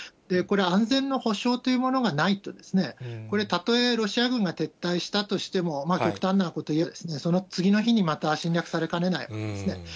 これ、安全の保証というものがないとですね、これ、たとえロシア軍が撤退したとしても、極端なことをいえば、その次の日にまた侵略されかねないですね。